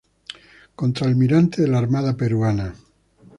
Contralmirante de la Armada Peruana.